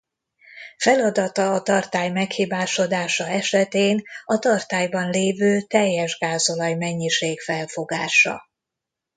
Feladata a tartály meghibásodása esetén a tartályban lévő teljes gázolaj mennyiség felfogása.